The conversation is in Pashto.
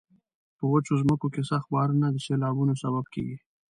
په وچو ځمکو کې سخت بارانونه د سیلابونو سبب کیږي.